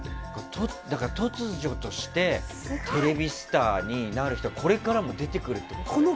だから突如としてテレビスターになる人はこれからも出てくるってことだよね。